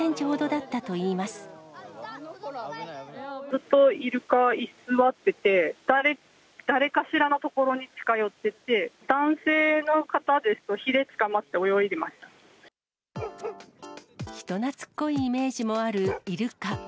ずっとイルカは居座っていて、誰かしらの所に近寄ってきて、男性の方ですと、ひれつかまって人懐っこいイメージもあるイルカ。